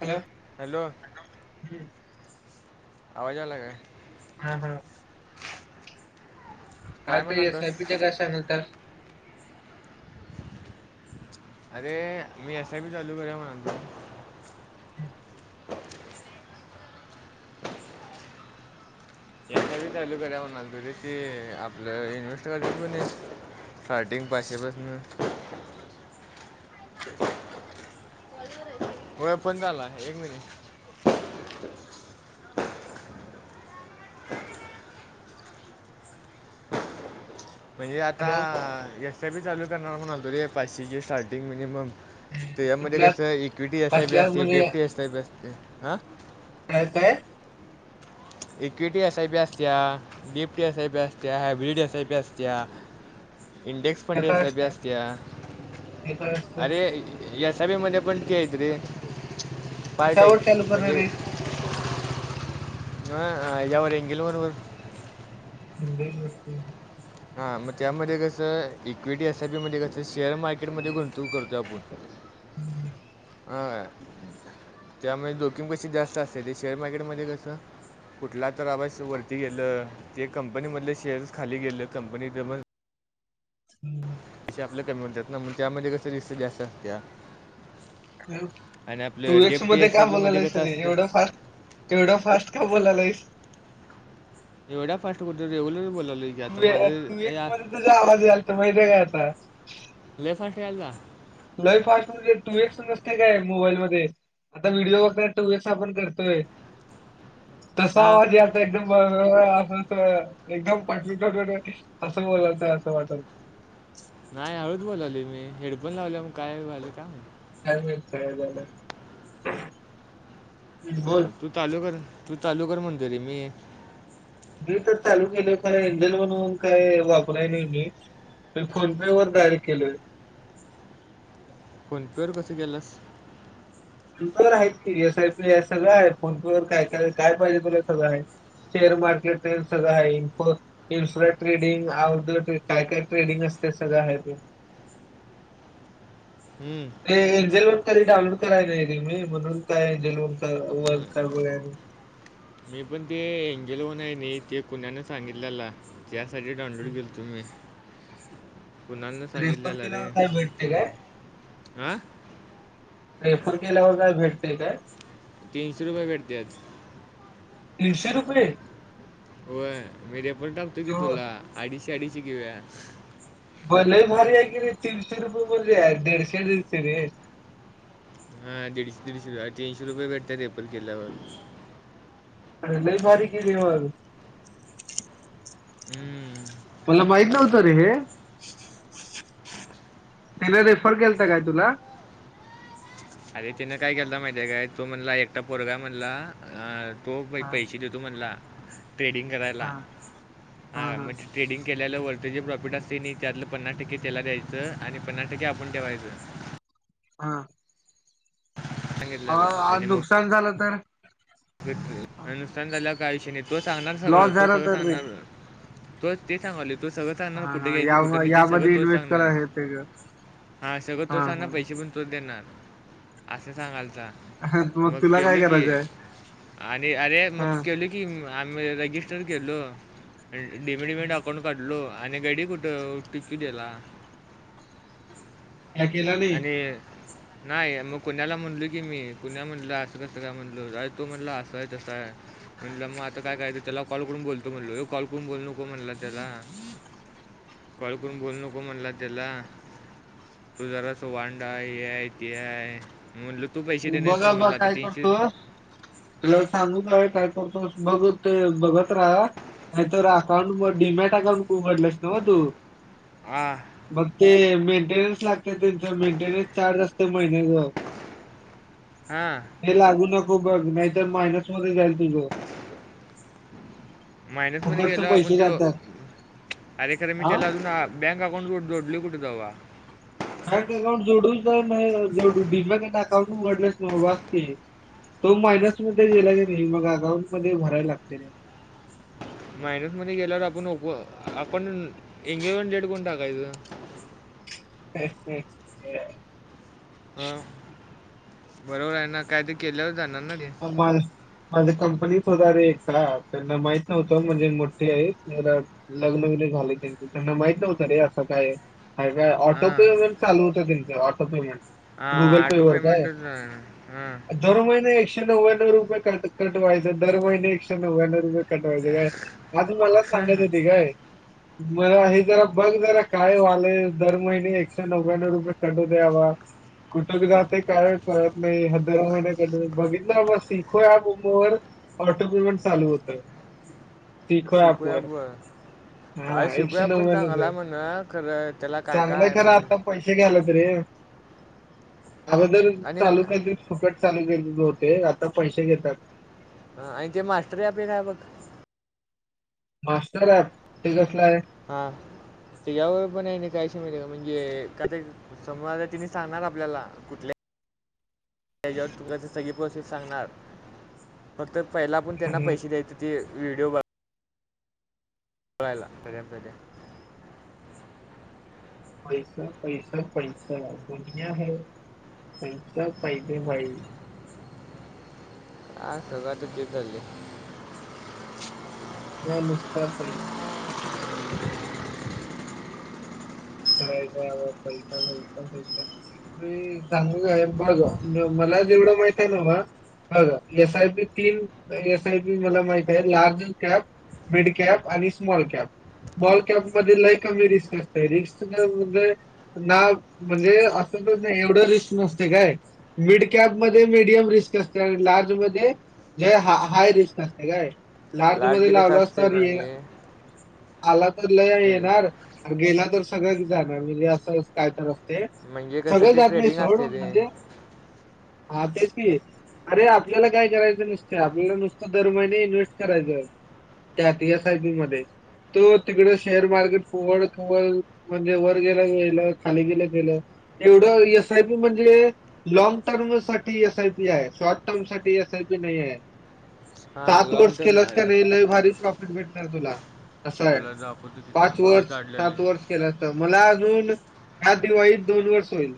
Hello. Hello आवाज आला काय? हा हा. काय तर एस आय पी घशा घालता. अरे मी एस आय पी चालू कराव म्हणतो [inaudible] एस आय पी चालू करा म्हणायलो अरे ते आपले इन्वेस्टर कोण आहेत? स्टार्टिंग पाचशेपासन होय पण झाला एक महिने. म्हणजे आता हॅलो एस. आय. पी चालू करणार म्हणालो रे पाचशे स्टार्टिंग मिनियमम. हम्म. त्याच्या मध्ये कुठल्या कसं इक्विटी एस. आय. बी कसल्या असते. म्हणजे डेप्टी एस. आय. बी असते आ काय काय? Equity S. आय. पी असतीया. डीएफ्टी एस. आय. पी असतीया hybridity S. I. P असतीया. [inaudible] Index fund एका एस. आय. पी असते असतीया. एका असते अरे एस. आय. पी म्हणलं कशावर चालू करणार म्हणजे आहेस [unintelligible] [unintelligible] इंडेक्स म्हणजे हा मग त्यामध्ये कसं इक्विटी एस. आय. पी मध्ये कसं शेअर मार्केटमध्ये गुंतवणूक करतोय आपण. हा त्यामुळे जोखीम कशी जास्त असते. ते शेअर मार्केटमध्ये कसं कुठला तर आवाज वरती गेलं. ते कंपनी मधले शेअर्स कंपनी [inaudible] म्हणत्यात न त्यामध्ये कसं [unintelligible] असतीया. हॅलो तू एक्स डेप्ट मध्ये एस का आय बोलाय लागले बीमध्ये कसं सगळे असतं एवढं फास्ट तेवढ फास्ट का बोलाय लागलय. एवढ्या फास्ट कुठं, रेगुलर बोलाय लागलू. तू तू एक्स मध्ये तुझा आवाज यायल लागलं माहितीे काय आता. लय फास्ट यायला तुला ही फास्ट मध्ये [unintelligible] काय मोबाईल मध्ये. आता व्हिडिओ वगैरे टू एस आपण करतोय. [inaudible] तसा हां आवाज ये आता एकदम [unintelligible] [unintelligible] तसं बोलताय हे असं वाटत. नाही हळूच बोलावले मी हेडफोन लावल्या म्हणून काय व्हायला का? काय माहित काय झालं. बोल हो, तू चालू कर, तू चालू कर म्हणतो रे मी. मी तर चालू केलं पर एंजल म्हणून काय वापराय नाही मी. मी फोन पे डायरेक्ट केले.. फोन पे वर कसा गेलास? फोन पर आहेस की एस. आय. पी सगळं आहे. फोन पर का, काय, काय पाहिजे तुला सगळं आहे. शेअर मार्केटवर सगळं आहे. इ्फ infra trading, how the training, काय काय ट्रेडिंग अस ते सगळं आहे ते. [inaudible] हम्म, ते [unintelligible] ते डाउनलोड कराय लागलोय मी म्हणून काय ते हम्म. [unintelligible] मी पण ते एंजल वन हे ते कुण्यान सांगितलेला. त्यासाठी डाउनलोड केलत मी. कुणाल ना रेफर सांगितलेलं रे केल्यावर काय ते भेटते काय होय. आ रायपूर केल्यावर काय भेटतेय काय? तीनशे रुपये भेटतात. दीडशे रुपये? होय मी रेफरन्स टाकतो की तुला अडीचशे अडीचशे घेऊया. बन भारी आहे की नाही तीनशे रुपये ब दडशे दिते रे [inaudible] हा दीडशे दीडशे रुपये तीनशे रुपये भेटत रेपर केल्या बाून आणि लय भारी कलीवाज [inaudible] हम्म. मला बाईक लावत रे हे तला रेफर केलत काय तुला, अरे तिनं काय केलं माहितीय काय तो म्हणला एकटा पोरगा म्हणला अ तो पै पैसे ज त म्हला ट्रेडिंग करायला हा हा म्ह ट्रेडिंग केल्याला त्या जे प्रॉफिट असते नाही त्यातलं पन्नास टक्के त्याला द्यायचं आणि पन्नास टक्के आपण ठेवायचं. हा सांगितलेला अ नुकसान झालं तर अनुषठान झाला का आयुषशीने तो सांगणार सगळं लॉस तो झाला सगळं तर रे सांगणार तोच ते सांगाले तो सगळं सांगणार हा कुठे हा घ्यायच या कुठं नाही ते यामध्ये सगळं तो इन्व्हेस्ट सांगणार करा हे ते ग हा सगळं तो सांगणार पैसे पण तोच देणार असं सांगाल ह मग तुला काय करायचंय आणि अरे मग हा केल की आम्ही रजिस्टर केलो आणि डीमिटडमिट काय अकाउंट काढलो आणि गडी कुठं टिकू दिला केला नाही आणिनी नाही मग कुण्याला म्हणलो की मी कुणाला म्हणलंय असं कसं काय म्हणलो अ तो म्हणला असं आहे तसं आहे म्हणटलं मग आता काय काय त्याला कॉल करून बोलतो म्हणलो कॉल करून बोलू नको म्हणला त्याला कॉल करून बोल नको म्हणला त्याला तुझराच वांडा हे आहे ते आहे म्हणलं तू पैसे देणार आहेस का बघा बघ म्हणलं आता काय तीनशे करतो तुला सांगू जा काय करतो बघत ते बघत राहा नाही तोर अकाउंट म डीमेट अकाउंट को घडलेस नव तू आ बक् ते मेंटेन् लागते त्यांच मेंटेन्स चार्ज असत महिन्या ज हां हे लागू नको बघ नाहीतर मायनस म जाल तुझं फकटच पैसे लागतात अरेखरं मी त्याला अजून बँक अकाउंट जोडले कुठे तेव्हा बँक अकाउंट जोडून जा जोडू िकना अकाउंट उघडलेच ना वाच के तो मायनसमध्येध्ये दिला क नाही मग अकाउंट मध्ये भरायला लागते नाही मायनसमध्येध्ये गेल्यावर आपण ओप आपण एंगेज रेड कोण टाकायचं अ् हा बरोबर आहे ना कायतरी केल्यावर जाणार ना ते म मा पणच होत रे एक त्यांना माहित नव्हतं म्हणजे मोठे आहे लग्न विगन झाले त्यां त्यांना माहित नव्हतं रे असं काय काय ऑटो हां पेमेंट चालू होत त्यांचं ऑटो पेमेंट गुगल हां पे ऑटो वर काय पेमेंटच जाणार हां दर महिने एक एकशे नवण्णव रुपये कटवायचे दर महिने एकशे नव्याण्णव रुपये काय आज मला सांगत त काय मला हे जरा बघ जरा काय वालंय दर महिने एकशे नव्याण्णव रुपये कटव द्यावा कुठं कध ते काय कळत नाही ह दार महिन्या क बघित बस सखो पमो वर ऑटो पेमेंट चालू होतय शिकूया बर बाय हा एकशे शिकूया पण नव्याण्णवच चांगाला आहे म्हण खरं त्याला काय काय चांगलंय आहे खरं म्हणून आता पैसे घ्यायला तरी अगोदर आणि म- चालू केलतीत फुकट चालू केलतीत आता पैसे घेतात. [unintelligible] मास्टर आहेत ते कस - हा त या व पण आहे कायशी मिळे - म्हणजे का ते समर आ ति सांगणार आपल्याला कुठल्या - त्याच्यावर तु ते सगळी प्रोसेस सांगणार फक्त पहिला पण त्यांना हम्म. पैसे द्यायचे ते - व्हिडिओ बघ- [unintelligible] [unintelligible] [unintelligible] हा सगळ तेच चाललंय - हा नुसता पैसा - [unintelligible] मी सांगू काय बघ मला एवढं माहित आहे नव - बघ एस आय पी तीन एस आय पी मला माहित आहे लार्ज कॅप - मिड कॅप आणि स्मॉल कॅप स्मॉल कॅप मध्ये लही कमी रिस्क असत रिस्क - [unintelligible] म्हणजे असतंच नाही एवढ रिस्क नसतय काय मिडकॅप - कॅप मध्ये मीडियम रिस्क असते आणि लार्ज मध्ये लई हाय रिस्क असते काय - लार्ज मध्ये कसं लावलं अस असते तररी ये म्हणजे आला तर लय अं, येणार गेला तर सगळ्याच जाणार म्हणजे असं काय तर ते म्हणजे कसं ते सगळं आप नाही ट्रेडिंग सोड असते ते म्हणजे हा तेच की अरे आपल्याला काय करायचं नुसत आपल्याला नुसतं दर महिने इन्व्हेस्ट करायचं! त्या ती एस आय पी मध्ये तो तिकडे शेअर मार्केट केवळ केवळ - म्हणजे वर गेला गेलं खाली गेलं गेलं एवढं एस आय पी म्हणजे लाँग टर्म - टर्म साठी एस आय पी आहे शॉर्ट टर्म साठी एसआय पी नाही आहे. हां सात लॉंग वर्ष टर्म केलंस आहे का नाही लई भारी प्रॉफिट भेटणार तुला असं आहे तुला दाखवतो की पाच थांब मी वर्ष काढलेले सात वर्ष लिस्ट केलं मला अजून हात दिवाळीत दोन वर्ष होईल.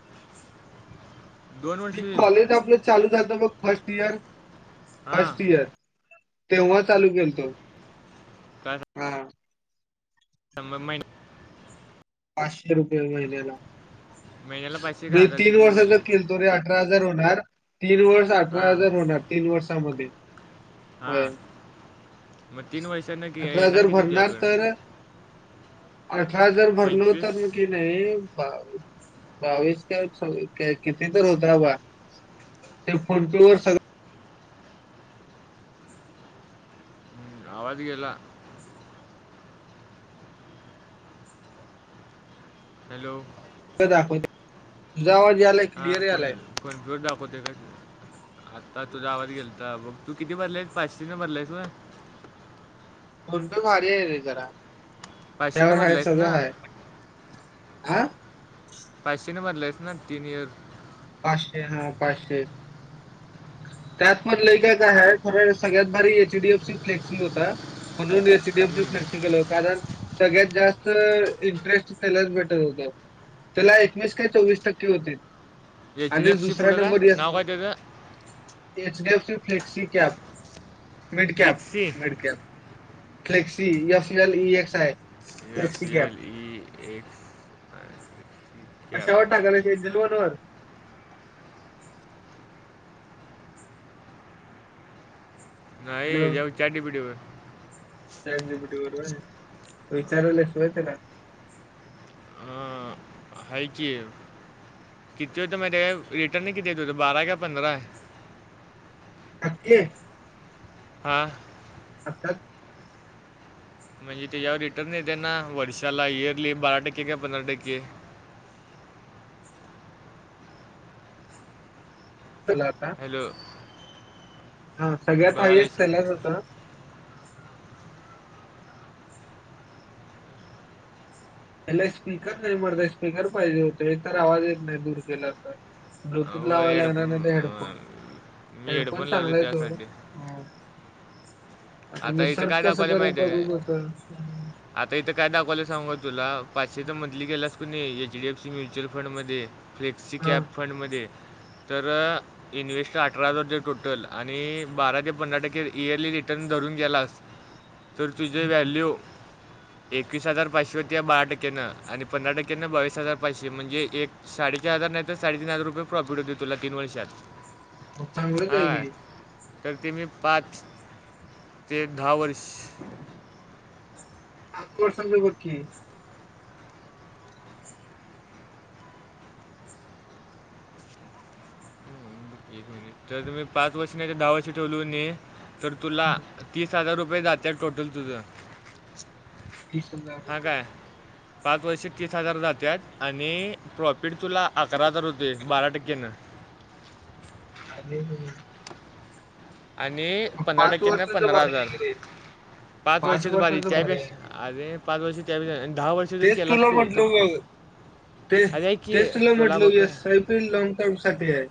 दोन मी वर्ष येईल कॉलेज आपलं चालू झालत बघ फर्स्ट इयर हां फर्स्ट इयर तेव्हा चालू केलतो काय हां महिन - पाचशे रुपये महिन्याला महिन्याला पाचशे का म्हणजे हजार तीन कितीची गेला वर्षाचा केलतो रे अठरा होणार तीन वर्ष अठरा हां हजार होणार तीन वर्षमध्ये - हा मग तीन वर्षानं अठरा येणार हजार किती तुज्याकड - आठरा हजार - सोन उतरलं की नाही. बावीस बावीस का स किती तर होता बा - त्या फोटोवर सग - हम्म, आवाज गेला? हॅलो. दाखव. हा कोण- कोण दाखवते बघा आता तुझा आवाज गेलता मग तू किती भरलायस पाचशेने भरलायस होय. फोन पे भारी आहे रे जरा पाचशेने त्यावर हाय भरलायस ना सगळं हाय - आ. पाचशेने भरलायस ना तीन इयर - पाचशे हां पाचशे - त्यात मधलं काय काय आहे खरं सगळ्यात भारी एचडीएफ सी फ्लेक्सी होता. म्हणून एच डी एफ सी केलं कारण. सगळ्यात जास्त इंटरेस्ट त्यालाच बेटर होत्या. त्याला एकवीस काय चोवीस टक्के होते. एच डी आणि एफ सी दुसऱ्या पुढं काय नंबर अस. नाव काय त्याचं HDF C flexi cap midcap flexi midcap flexi F L E X आहे. या पी एल ई एस कशा वाटता करायची जलवणवर नाही जाऊ चचाडी पिडीवर बट बरोबर विचारला सुय का हायकी. किती होते मग ते रिटर्न किती येत होत बारा का पंधरा आजे हा. आता, म्हणजे त्याच्यावर रिटर्न येते ना वर्षाला इयरली बारा टक्के का पंधरा टक्के. चलाता. हॅलो हा सगळ्यात हायस्ट बघायलाच त्यालाच होता. त्याला स्पीकर नाही मरत स्पीकर पाहिजे होते, तर आवाज येत नाही दूर केला तर. त व लावाय हेड लाग हेडफोन. मी हेडफोन लावले चांगलाय ोड. त्यासाठी आता इथं काय दाखवले माहिित का? बघू कसं. हं. आता इथं काय दाखवलं सांगू तुला. पाचशे तर मंथली गेलास कु नाही एचडीएफसी म्युच्युअल फंड मध्ये, फ्लेक्सी हा कॅप फंड मध्ये, तर इन्व्हेस्टर अठरा हजार र टोटल आणि बारा ते पंधरा टक्के इयरली रिटर्न. धरून गेलास तर तुझे वॅल्यू एकवीस हजार पाचशे होती बहा टक्केनं आणि पंधरा टक्केनं बावीस हजार पाचशे म्हणजे एक साडेचार हजार नाही तर साडेतीन हजार रुपये प्रॉफिट होते तला तीन वर्षात. होथांगडच आहे की. हां तर ते मी पाच ते दहा वर्ष, आ अ सांज बकी आहे. एक तर मी पाच वर्षण्याच्या धावाशी ठेोलू न तर तुला तीस पा हजार रुपये जाते टोटल तुझं. ह सधा हां काय पाच वर्षे तीस हजार जातात आणि प्रॉफिट तुला अकरा हजार होते बारा टक्केन. [unintelligible] ह... आणि पंधरा टक्क्यांनी वर्षाच पंधरा भारी आहे हजार. की रे पाच वर्ष भारी या च्याभरीण अरे पाच वर्ष स तेच तुला म्हटल मी. टेस् अरे ऐक की टेस्टला तुला म्हटलं बघ येस आयपी लॉग टर्म साठी आहे.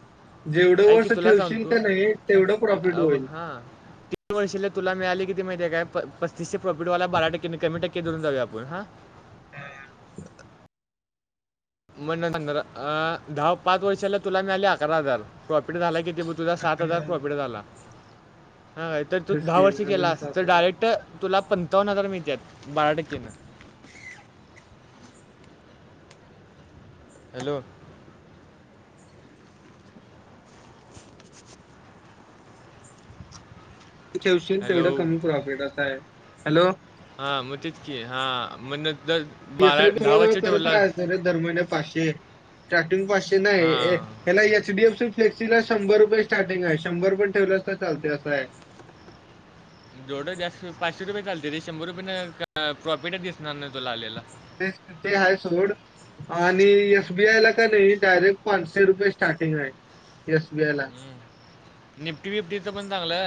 जेवढं ऐक की वर्ष तुला ठेवशील का सांगतो नाही तेवढं प्रॉफिट होईल. तीन वर्षीय तुला मिळाली किती माहिती आहे काय? पस्तीस चे प्रॉफिटवाला बारा टक्के कमी टक्के देऊन जाऊ आपण हा, मण दहा पाच वर्षाला तुला मिळाले अकरा हजार प्रॉफिट झाला की. ते प तुला सात हजार प्रॉफिट झाला. हा काय तर तू तेच दहा की वर्ष केला अजून अस तर सात हजार. डायरेक्ट तुला प चावन्न हजार मिळतत बारा टक्केन. हॅलो! ठेवशील तेवढं कमी प्रॉफिट असं आहे. हॅलो हा मग तितकी हा म्हण, पसी जव जवळ करत राहायं रे धर्म पाचश. स्टार्टिंग पाचशे नाही हां ह्याला एचडीएफ फ्लेक्सी ला शंभर रुपये स्टार्टिंग आहे शंभर पयण ठेवलंस तर चालते असं आहे. जवढं जास्त पाचशे रुपये चालते र ते शंभर रुपये न प्रॉफिटच दिसणार ना तोला आलेला. ते ते ह सोड. आणि एसबीआय ला का नाही डायरेक्ट पाचशे रुपये स्टार्टिंग आहे. एसबीआय ला हम् निपटी बिपटी तर पण चांगलं.